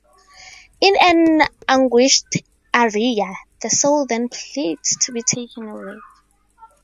In an anguished aria, the Soul then pleads to be taken away.